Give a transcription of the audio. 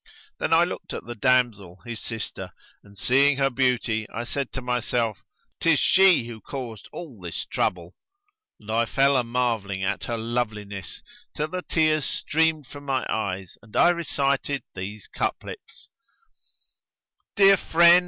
Then I looked at the damsel, his sister, and seeing her beauty I said to myself, "'Tis she who caused all this trouble"; and I fell a marvelling at her loveliness till the tears streamed from my eyes and I recited these couplets, "Dear friend!